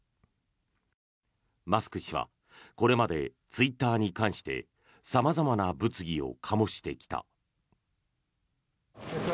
マスク氏はこれまでツイッターに関して様々な物議を醸してきた。